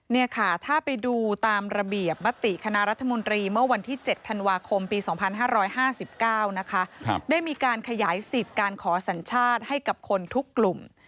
นี่ค่ะถ้าไปดูตามระเบียบมติคณะรัฐมนตรีเมื่อวันที่๗ธันวาคมปี๒๕๕๙นะคะได้มีการขยายสิทธิ์การขอสัญชาติให้กับคนทุกกลุ่ม